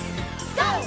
ＧＯ！